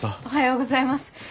おはようございます。